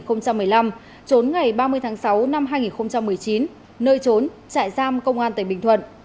trốn ngày ba mươi tháng sáu năm hai nghìn một mươi chín nơi trốn trại giam công an tỉnh bình thuận